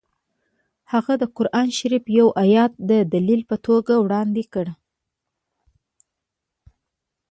هغه د قران شریف یو ایت د دلیل په توګه وړاندې کړ